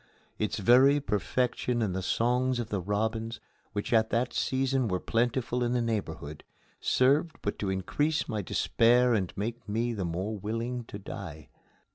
Its very perfection and the songs of the robins, which at that season were plentiful in the neighborhood, served but to increase my despair and make me the more willing to die.